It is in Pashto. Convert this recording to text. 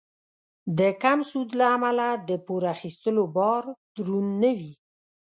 د کم سود له امله د پور اخیستلو بار دروند نه وي.